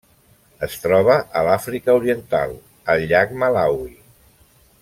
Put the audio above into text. Es troba a l'Àfrica Oriental: el llac Malawi.